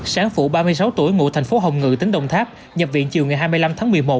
sáng phụ ba mươi sáu tuổi ngụ thành phố hồng ngự tỉnh đồng tháp nhập viện chiều ngày hai mươi năm tháng một mươi một